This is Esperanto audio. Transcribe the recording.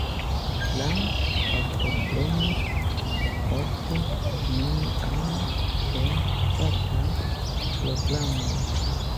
Li partoprenis poste neniam en ŝtataj programoj.